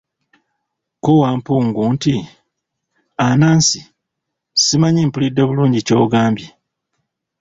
Ko Wampungu nti, Anansi, simanyi mpulidde bulungi ky'ogambye?